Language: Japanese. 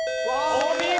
お見事！